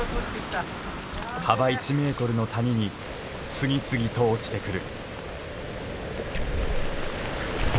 幅１メートルの谷に次々と落ちてくる。